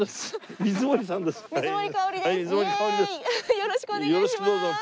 よろしくお願いします。